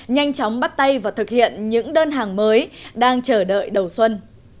nhanh chóng bắt tay và thực hiện những đơn hàng mới đang chờ đợi đầu xuân